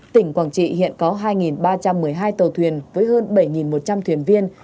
tỉnh quảng trị hiện có hai ba trăm một mươi hai tàu thuyền với hơn bảy một trăm linh thuyền viên